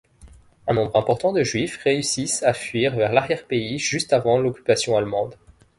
Un nombre important de Juifs réussissent à fuir vers l'arrière-pays juste avant l'occupation allemande.